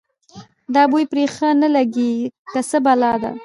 دا بوی پرې ښه نه لګېږي که څه بلا ده.